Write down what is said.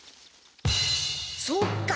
そっか！